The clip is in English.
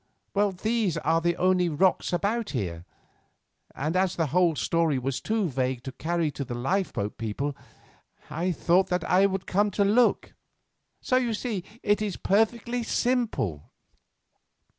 Well, these are the only rocks about here; and as the whole story was too vague to carry to the lifeboat people I thought that I would come to look. So you see it is perfectly simple."